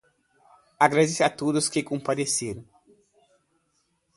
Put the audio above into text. Agradeço a todos que compareceram.